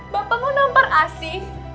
bapak mau nampar asyik